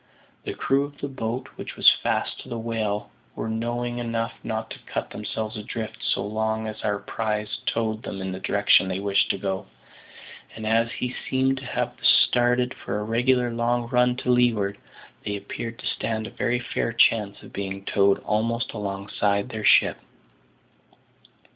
The crew of the boat which was fast to the whale were knowing enough not to cut themselves adrift so long as their prize towed them in the direction they wished to go; and, as he seemed to have started for a regular long run to leeward, they appeared to stand a very fair chance of being towed almost alongside their ship.